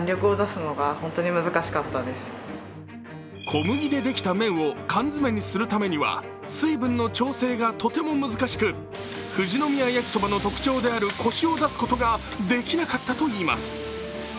小麦でできた麺を缶詰にするためには水分の調整がとても難しく富士宮やきそばの特徴であるコシを出すことができなかったといいます。